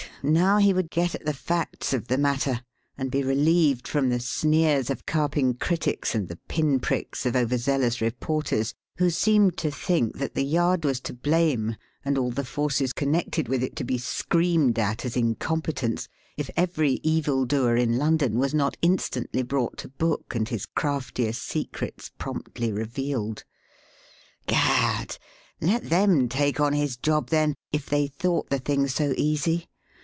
Now he would get at the facts of the matter, and be relieved from the sneers of carping critics and the pin pricks of overzealous reporters, who seemed to think that the Yard was to blame, and all the forces connected with it to be screamed at as incompetents if every evildoer in London was not instantly brought to book and his craftiest secrets promptly revealed. Gad! Let them take on his job, then, if they thought the thing so easy!